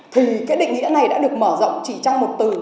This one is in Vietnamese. thì cái định nghĩa này đã được mở rộng chỉ trong một từ